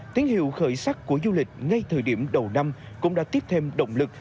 tiếng hiệu khởi sắc của du lịch ngay thời điểm đầu năm cũng đã tiếp thêm động lực